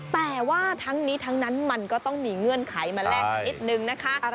แต่ว่าทั้งนี้ทั้งนั้นมันก็ต้องมีเงื่อนไขมาแลกกันนิดนึงนะคะ